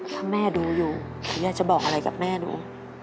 ถ้าแม่ดูอยู่หนูอยากจะบอกอะไรกับแม่ดู